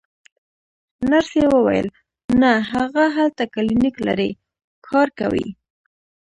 نرسې وویل: نه، هغه هلته کلینیک لري، کار کوي.